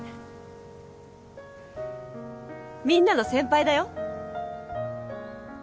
みんなの先輩だよ。